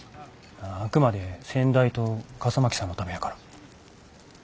あくまで先代と笠巻さんのためやから。